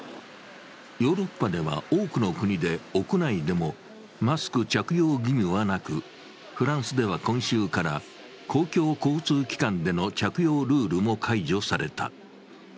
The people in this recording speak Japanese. ヨーロッパでは、多くの国で屋内でもマスク着用義務はなく、フランスでは今週から公共交通機関での着用ルールも解除された。